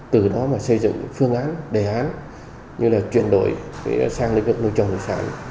từ đó xây dựng phương án đề án như chuyển đổi sang lĩnh vực nôi trồng nội sản